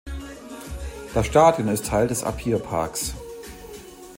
Das Stadion ist Teil des Apia Parks.